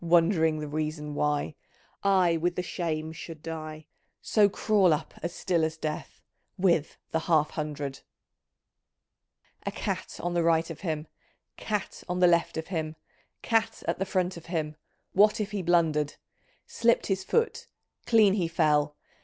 Wondering the reason why ? I with the shame should die I So crawl up as still as death. With the ■ Half hundred I '" A cat on the right of him ! Cat on the left of him I Cat at the front of him I What if he blundered ? Slipt his foot I clean he fell